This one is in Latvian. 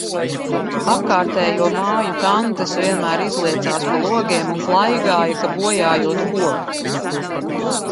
Apkārtējo māju tantes vienmēr izliecās pa logiem un klaigāja, ka bojājot koku.